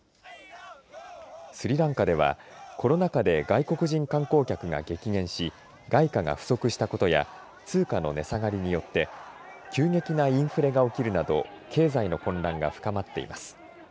スリランカではコロナ禍で外国人観光客が激減し外貨が不足したことや通貨の値下がりによって急激なインフレが起きるなど経済の混乱が深まっています。